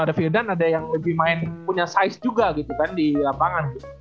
ada vedan ada yang lebih main punya size juga gitu kan di lapangan